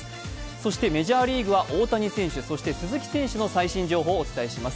そしてメジャーリーグは大谷選手、そして鈴木選手の最新情報をお伝えします。